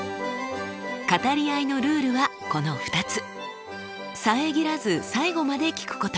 語り合いのルールはこの２つ。